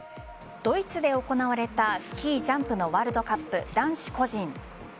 ドイツで行われたスキージャンプのワールドカップ男子個人。